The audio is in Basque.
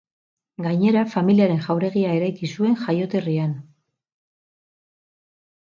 Gainera, familiaren jauregia eraiki zuen jaioterrian.